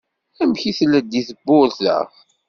Amek i tleddi tewwurt-a?